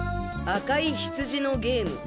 赤いヒツジのゲーム